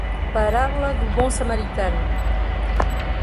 Parábola do bom samaritano